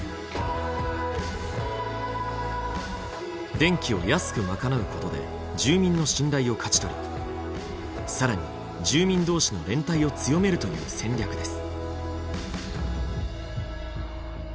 電気を安く賄うことで住民の信頼を勝ち取り更に住民同士の連帯を強めるという戦略です。